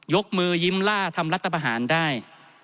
ยกมือยิ้มล่าทำรัฐประหารได้